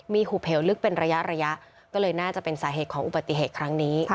มีหูเหวลึกเป็นระยะก็เลยน่าจะเป็นสาเหตุของอุบัติเหตุครั้งนี้